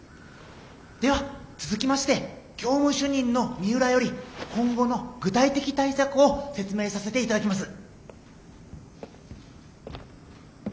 では続きまして教務主任の三浦より今後の具体的対策を説明させて頂きます。